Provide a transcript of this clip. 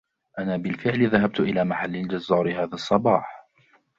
أنا بالفعل ذهبت إلى محل الجزار هذا الصباح.